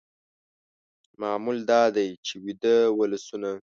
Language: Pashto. معمول دا دی چې ویده ولسونه